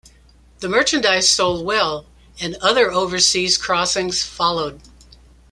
The merchandise sold well and other overseas crossings followed.